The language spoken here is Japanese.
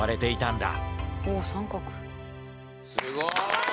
すごい！